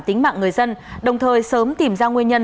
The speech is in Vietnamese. tính mạng người dân đồng thời sớm tìm ra nguyên nhân